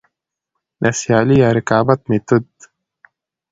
د سيالي يا رقابت ميتود: